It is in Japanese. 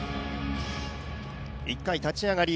１回立ち上がり